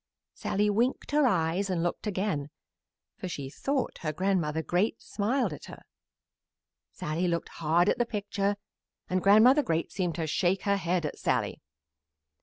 Sallie winked her eyes and looked again, for she thought her Grandmother Great smiled at her. Sallie looked hard at the picture, and Grandmother Great seemed to shake her head at Sallie.